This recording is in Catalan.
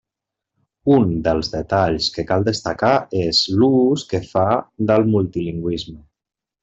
Un dels detalls que cal destacar és l'ús que en fa del multilingüisme.